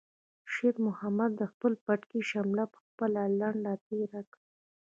شېرمحمد د خپل پټکي شمله په خپله لنده تېره کړه.